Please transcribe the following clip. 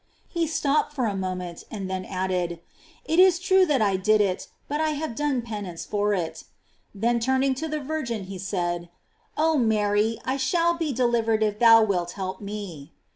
He stopped for a moment, and then ad ded: "It is true that I did it, but I have done penance for it." Then turning to the Virgin, he said: "Oh Mary, I shall be delivered if thou wilt help me."